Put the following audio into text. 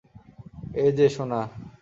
এই যে, সোনা।